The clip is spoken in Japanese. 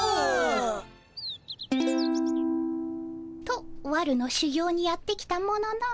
とわるの修業にやって来たものの。